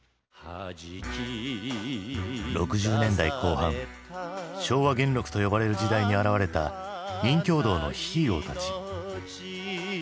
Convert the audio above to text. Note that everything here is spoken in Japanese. ６０年代後半昭和元禄と呼ばれる時代に現れた任侠道のヒーローたち。